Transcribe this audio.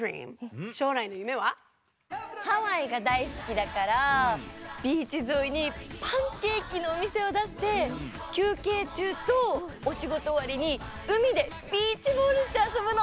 ハワイがだいすきだからビーチぞいにパンケーキのおみせをだしてきゅうけいちゅうとおしごとおわりにうみでビーチボールしてあそぶの！